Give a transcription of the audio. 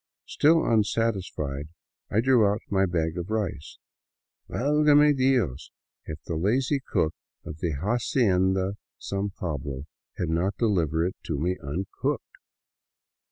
Still unsatisfied, I drew out my bag of rice. Valgame Dios if that lazy cook of the " Hacienda San Pablo " had not delivered it to me uncooked!